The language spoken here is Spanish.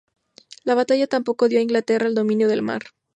La batalla tampoco dio a Inglaterra el dominio del mar.